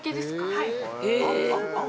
はい。